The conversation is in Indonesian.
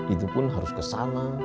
itu pun harus kesana